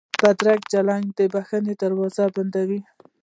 بدرنګه چلند د بښنې دروازې بندوي